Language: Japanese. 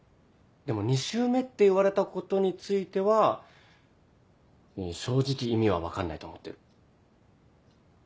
でも２周目って言われたことについては正直意味は分かんないと思ってる。